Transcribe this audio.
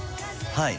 はい。